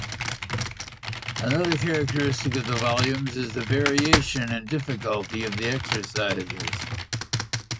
Another characteristic of the volumes is the variation in the difficulty of the exercises.